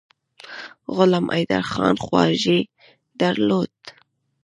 غلام حیدرخان خواخوږي درلوده.